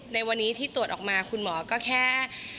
ในวันนี้ที่ตรวจออกมาคุณหมอก็แค่